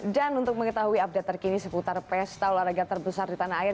dan untuk mengetahui update terkini seputar pesta olahraga terbesar di tanah air